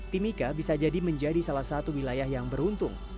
timika bisa jadi menjadi salah satu wilayah yang beruntung